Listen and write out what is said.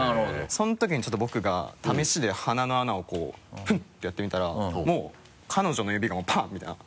そのときにちょっと僕が試しで鼻の穴を「フンッ」てやってみたらもう彼女の指が「パン」みたいな。